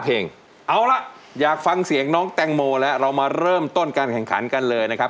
เอาล่ะอยากฟังเสียงน้องแตงโมแล้วเรามาเริ่มต้นการแข่งขันกันเลยนะครับ